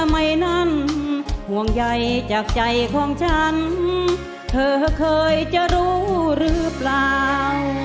ไม่นั้นห่วงใยจากใจของฉันเธอเคยจะรู้หรือเปล่า